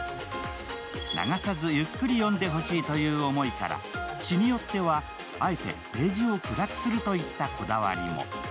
流さずゆっくり読んでほしいという思いから、詩によってはあえてページを暗くするといったこだわりも。